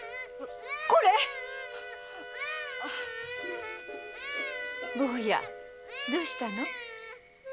これ‼坊やどうしたの？